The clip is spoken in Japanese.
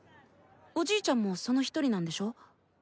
おじいちゃんもそのひとりなんでしょう？